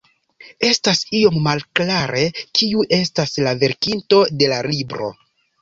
Estas iom malklare, kiu estas la verkinto de la libro.